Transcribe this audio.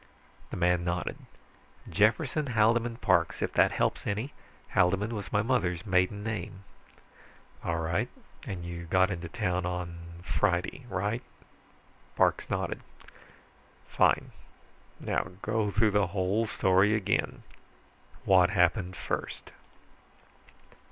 The man nodded. "Jefferson Haldeman Parks, if that helps any. Haldeman was my mother's maiden name." "All right. And you got into town on Friday right?" Parks nodded. "Fine. Now go through the whole story again. What happened first?"